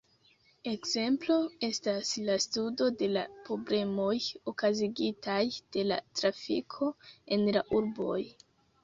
Ekzemplo estas la studo de la problemoj okazigitaj de la trafiko en la urboj.